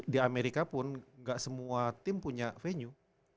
di amerika pun gak semua tim punya venue